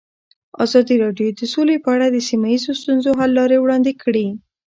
ازادي راډیو د سوله په اړه د سیمه ییزو ستونزو حل لارې راوړاندې کړې.